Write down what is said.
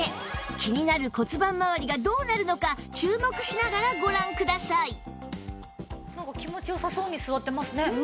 気になる骨盤まわりがどうなるのか注目しながらご覧くださいなんか気持ち良さそうに座ってますね。